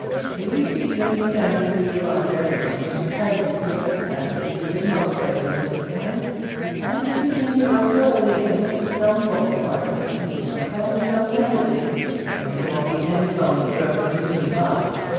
"You see, Miss Mackenzie, we run very much into parties here, as they do in most places of this kind, and if you mean to go thoroughly in with the Stumfold party you must tell me so, candidly, and there won't be any bones broken between us.